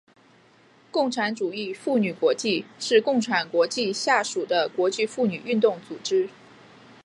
共产主义妇女国际是共产国际下属的国际妇女运动组织。